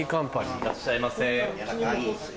いらっしゃいませ。